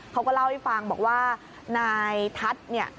เขาก็เล่าให้ฟังบอกว่านายทัศน์เนี่ย